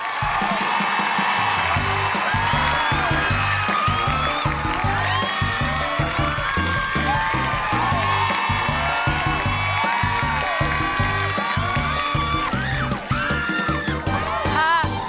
สวัสดีค่ะ